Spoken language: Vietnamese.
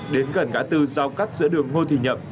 đến gần ngã tư giao cắt giữa đường ngô thị nhậm